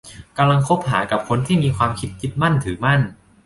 กำลังคบหากับคนที่มีความคิดยึดมั่นถือมั่น